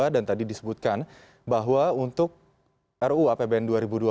dan tadi disebutkan bahwa untuk ruu apbn dua ribu dua puluh dua